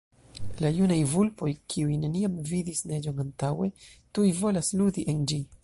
La junaj vulpoj, kiuj neniam vidis neĝon antaŭe, tuj volas ludi en ĝi.